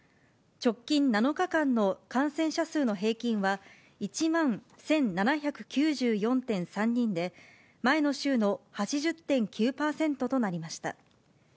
直近７日間の感染者数の平均は、１万１７９４．３人で、前の週の８０．９％となりました。